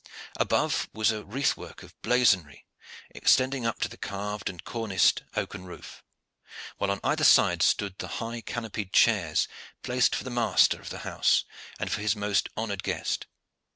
Above was a wreath work of blazonry, extending up to the carved and corniced oaken roof; while on either side stood the high canopied chairs placed for the master of the house and for his most honored guest.